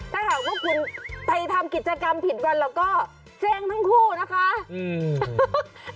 ถ้าหากคุณไปทำกิจกรรมผิดกันแล้วก็เซ็งทั้งคู่นะคะ